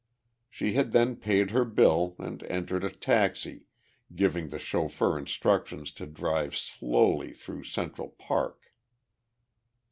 She had then paid her bill and entered a taxi, giving the chauffeur instructions to drive slowly through Central Park.